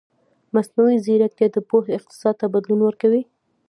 مصنوعي ځیرکتیا د پوهې اقتصاد ته بدلون ورکوي.